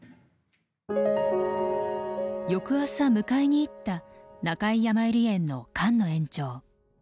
翌朝に迎えに行った中井やまゆり園の菅野園長。